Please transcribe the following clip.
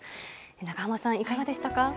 長濱さん、いかがでしたか？